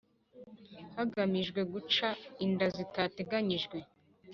hagamijwe guca inda zitateganyijwe